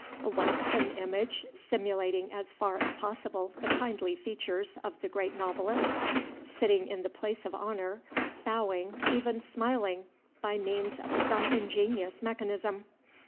A waxen image simulating as far as possible the kindly features of the Great Novelist, sitting in the place of honor, bowing, even smiling by means of some ingenious mechanism!